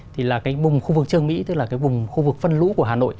thì là cái bùng khu vực trương mỹ tức là cái bùng khu vực phân lũ của hà nội